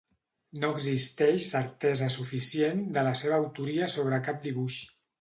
No existeix certesa suficient de la seva autoria sobre cap dibuix.